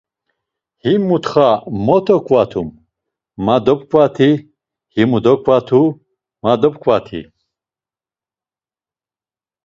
Ti mutxa mot oǩvatum, ma dopǩvati, himu doǩvatu, ma dopǩvati.